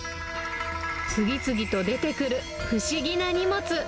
次々と出てくる不思議な荷物。